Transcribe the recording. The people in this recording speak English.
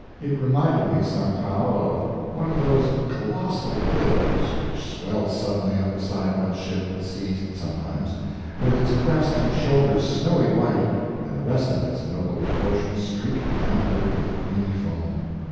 It reminded me, somehow, of one of those colossal billows which swells suddenly up beside one's ship, at sea, sometimes, with its crest and shoulders snowy white, and the rest of its noble proportions streaked downward with creamy foam.